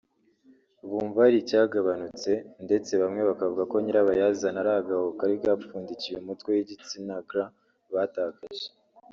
bumva hari icyagabanutse ndetse bamwe bakavuga ko nyirabayazana ari agahu kari gapfundikiye umutwe w’igitsina (gland) batakaje